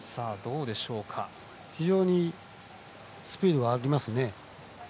非常にスピードがありますね。